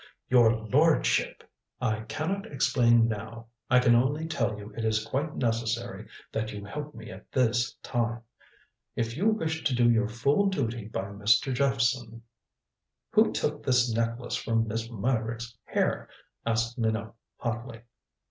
"Your lordship! " "I can not explain now. I can only tell you it is quite necessary that you help me at this time. If you wish to do your full duty by Mr. Jephson." "Who took this necklace from Miss Meyrick's hair?" asked Minot hotly.